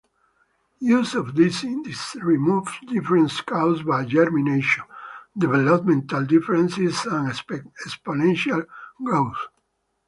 Use of these indices removes differences caused by germination, developmental differences and exponential growth.